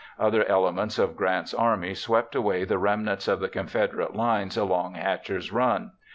Other elements of Grant's army swept away the remnants of the Confederate lines along Hatcher's Run.